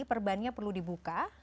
perbannya perlu dibuka